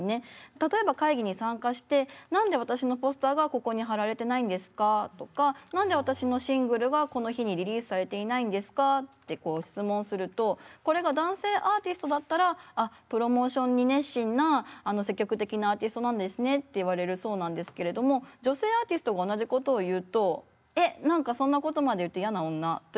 例えば会議に参加して何で私のポスターがここに貼られてないんですかとか何で私のシングルがこの日にリリースされていないんですかってこう質問するとこれが男性アーティストだったらあっプロモーションに熱心な積極的なアーティストなんですねって言われるそうなんですけれども女性アーティストが同じことを言うとえっ何かそんなことまで言って嫌な女というふうに言われることが。